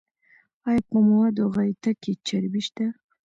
ایا په موادو غایطه کې چربی شته؟